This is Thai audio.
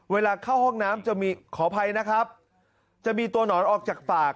เวลาเข้าห้องน้ำจะมีขออภัยนะครับจะมีตัวหนอนออกจากปาก